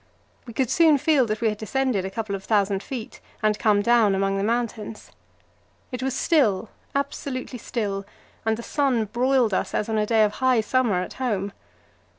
We could soon feel that we had descended a couple of thousand feet and come down among the mountains. It was still, absolutely still, and the sun broiled us as on a day of high summer at home.